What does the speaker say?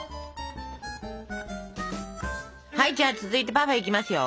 はいじゃあ続いてパフェいきますよ！